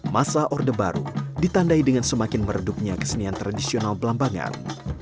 masa orde baru ditandai dengan semakin meredupnya kesenian tradisional belambangan